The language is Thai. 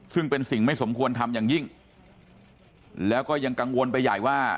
ซึ่งเป็นสิ่งไม่สมควรทำอย่างยิ่งแล้วก็ยังกังวลไปใหญ่ว่า